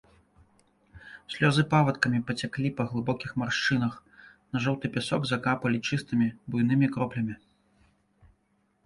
Слёзы павадкамі пацяклі па глыбокіх маршчынах, на жоўты пясок закапалі чыстымі, буйнымі кроплямі.